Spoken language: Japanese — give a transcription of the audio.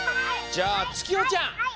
じゃあつきほちゃん！